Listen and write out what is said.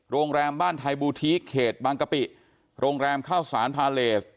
โรงแรมบ้านไทยบูธิเขตบางกะปิโรงแรมข้าวสารพาเลส